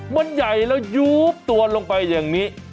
มันใหญ่แล้วยูบตัวลงไปอย่างนี้